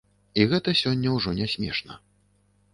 І гэта сёння ўжо не смешна.